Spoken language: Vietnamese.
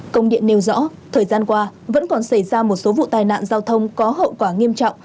công điện nêu rõ thời gian qua vẫn còn xảy ra một số vụ tai nạn giao thông có hậu quả nghiêm trọng